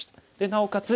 なおかつ